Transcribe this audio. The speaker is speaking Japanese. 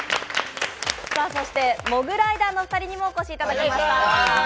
モグライダーのお二人にもお越しいただきました。